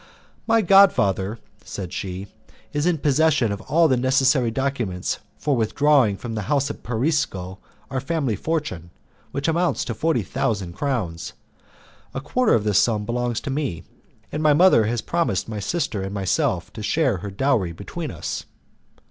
"My god father," said she, "is in possession of all the necessary documents for withdrawing from the house of Persico our family fortune, which amounts to forty thousand crowns. A quarter of this sum belongs to me, and my mother has promised my sister and myself to share her dowry between us."